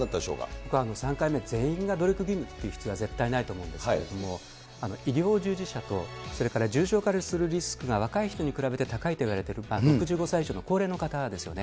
僕、３回目、全員が努力義務っていう必要は絶対ないと思うんですけれども、医療従事者と、それから重症化するリスクが若い人に比べて高いといわれてる６５歳以上の高齢の方ですよね。